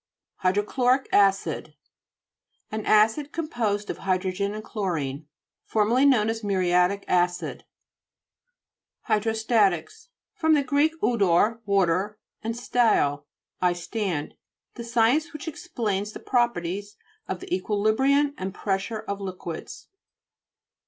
HYDROCHLORIC ACID An acid com posed of hydrogen and chlorine, formerly known as muriatic acid. HYDHOSTA'TICS fr. gr. 'uddr, wa ter, stad, I stand. The scfence which explains the properties of the equi librium and pressure of liquids.